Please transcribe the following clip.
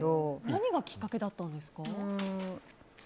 何がきっかけだったんですか。